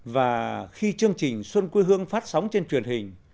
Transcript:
và khi chương trình xuân quê hương phát sóng trên truyền hình